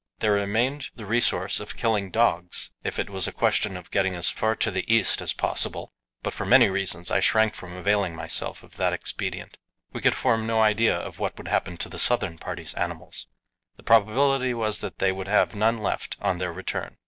There remained the resource of killing dogs, if it was a question of getting as far to the east as possible, but for many reasons I shrank from availing myself of that expedient. We could form no idea of what would happen to the southern party's animals. The probability was that they would have none left on their return.